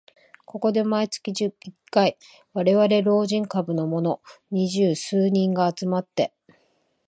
ここで毎月一回、われわれ老人株のもの二十数人が集まって